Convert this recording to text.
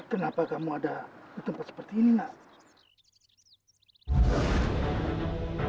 kenapa kamu ada di tempat seperti ini nak